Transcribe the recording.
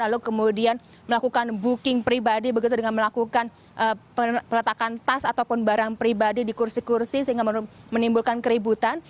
lalu kemudian melakukan booking pribadi begitu dengan melakukan peletakan tas ataupun barang pribadi di kursi kursi sehingga menimbulkan keributan